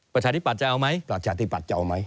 ประชาธิบัตรจะเอาไหม